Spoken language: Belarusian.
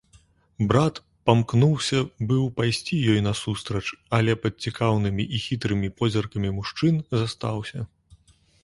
Брат памкнуўся быў пайсці ёй насустрач, але пад цікаўнымі і хітрымі позіркамі мужчын застаўся.